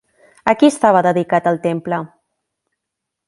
A qui estava dedicat el temple?